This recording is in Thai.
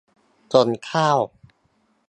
ส่งข้าว